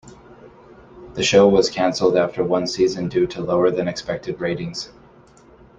The show was canceled after one season due to lower than expected ratings.